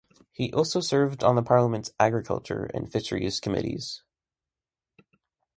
He also served on the parliament's Agriculture and Fisheries committees.